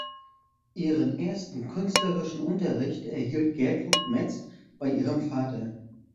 Ihren ersten künstlerischen Unterricht erhielt Gertrud Metz bei ihrem Vater.